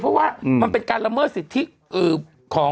เพราะว่ามันเป็นการละเมิดสิทธิของ